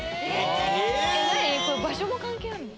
これ場所も関係あるの？